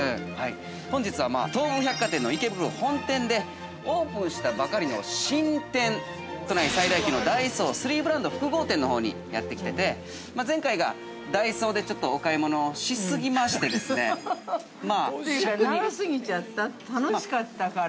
本日は、東武百貨店の池袋本店でオープンしたばかりの新店都内最大級のダイソー３ブランド複合店のほうにやってきてて、前回が、ダイソーでちょっとお買い物をしすぎまして、尺に◆長過ぎちゃった、楽しかったから。